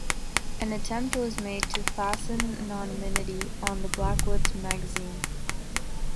An attempt was made to fasten anonymity on Blackwood's Magazine.